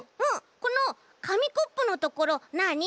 このかみコップのところなあに？